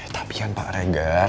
tapi kan pak regar